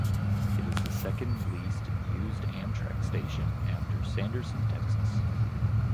It is the second least used Amtrak station after Sanderson, Texas.